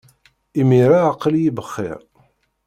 Imir-a aql-iyi bxir.